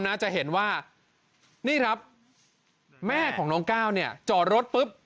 น่าจะเห็นว่านี่ครับแม่ของน้องก้าวเนี่ยจอดรถปุ๊บ